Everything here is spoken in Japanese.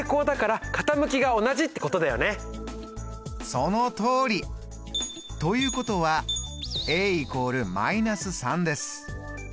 そのとおり！ということは＝−３です。